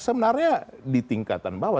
sebenarnya di tingkatan bawah